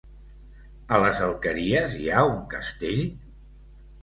A les Alqueries hi ha un castell?